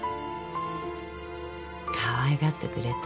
かわいがってくれたわ。